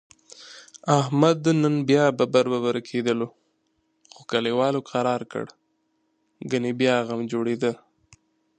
احمد نن بیا ببر ببر کېدلو، خو کلیوالو کرارکړ؛ گني بیا غم جوړیدا.